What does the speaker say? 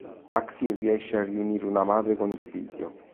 Maxine riesce a riunire una madre con il figlio.